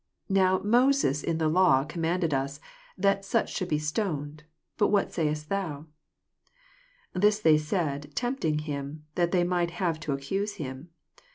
5 Now Moses in the law command ed us, that such should be stoned: but what sayeet thou 7 6 This they said, tempting him, that they might have to accuse him.